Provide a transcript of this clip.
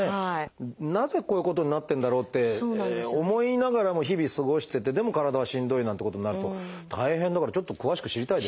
なぜこういうことになってるんだろうって思いながらも日々過ごしててでも体はしんどいなんてことになると大変だからちょっと詳しく知りたいですね。